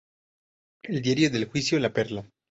El diario del juicio La Perla.